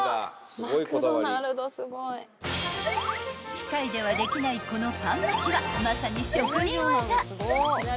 ［機械ではできないこのパン巻きはまさに職人技］